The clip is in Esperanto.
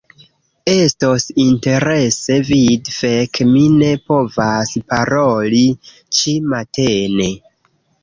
Estos interese vidi... fek' mi ne povas paroli ĉi-matene